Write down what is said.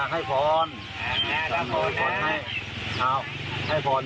ให้ผ้าสมเพื่อนหมาให้ฟ้อน